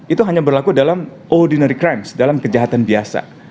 itu hanya berlaku dalam ordinary crimes dalam kejahatan biasa